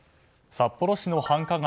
札幌市の繁華街